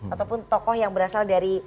ataupun tokoh yang berasal dari